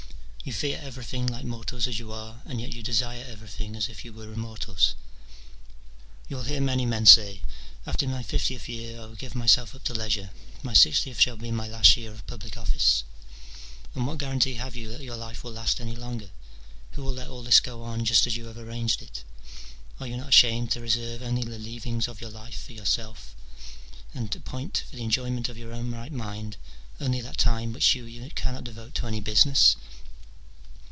You fear everything, like mortals as you are, and yet you desire everything as if you were immortals. You will hear many men say, " After my fiftieth year I will give my^lf up to leisure : my sixtieth shall be my last year of public office ": and what guarantee have you that your life will last any longer ? who will let all this go on just as you have arranged it ? are you not ashamed to reserve only the leavings of your life for yourself, and appoint for the en joyment of your own right mind only that time which you cannot devote to any business